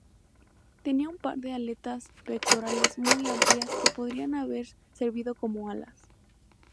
Tenía un par de aletas pectorales muy amplias que podrían haber servido como alas.